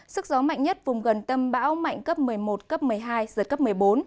sức gió mạnh nhất vùng gần tâm bão mạnh cấp một mươi một cấp một mươi hai giật cấp một mươi bốn